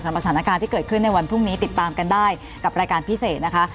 สถานการณ์ที่เกิดขึ้นในวันพรุ่งนี้ติดตามกันได้กับรายการพิเศษนะคะ